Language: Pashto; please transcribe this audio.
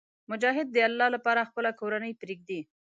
مجاهد د الله لپاره خپله کورنۍ پرېږدي.